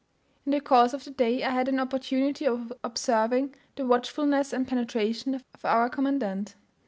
In the course of the day I had an opportunity of observing the watchfulness and penetration of our commandant.